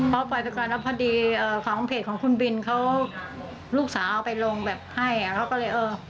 พอปล่อยไปก่อนแล้วพอดีของเพจของคุณบิลเขาลูกสาวเอาไปลงแบบให้